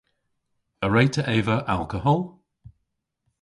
A wre'ta eva alkohol?